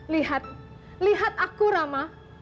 lihat lihat aku rama